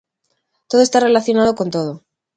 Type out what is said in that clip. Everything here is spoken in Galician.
Todo está relacionado con todo.